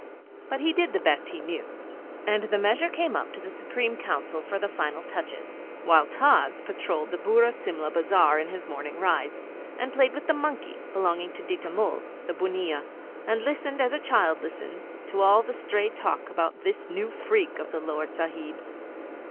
But he did the best he knew. And the measure came up to the Supreme Council for the final touches, while Tods patrolled the Burra Simla Bazar in his morning rides, and played with the monkey belonging to Ditta Mull, the bunnia, and listened, as a child listens, to all the stray talk about this new freak of the Lord Sahib's.